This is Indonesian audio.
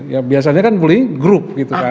ya biasanya kan bullying group gitu kan